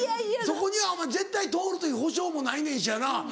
そこには絶対通るという保証もないねんしやな。